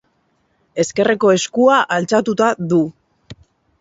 Ezkerreko eskua altxatuta du.